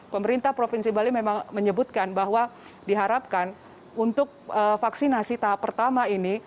pemerintah provinsi bali memang menyebutkan bahwa diharapkan untuk vaksinasi tahap pertama ini